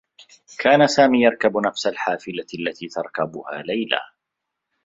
كان سامي يركب نفس الحافلة التي تركبها ليلى.